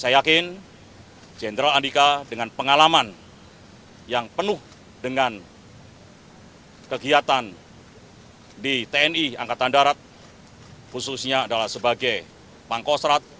saya yakin jenderal andika dengan pengalaman yang penuh dengan kegiatan di tni angkatan darat khususnya adalah sebagai pangkostrat